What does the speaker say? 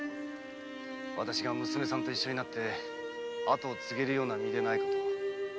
私が娘さんと一緒になって跡を継げるような身でないことを。